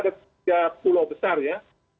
ada tiga pulau besar ya